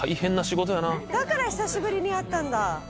だから久しぶりに会ったんだ。